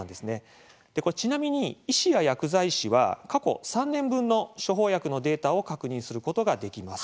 ちなみに、医師や薬剤師は過去３年分の処方薬のデータを確認することができます。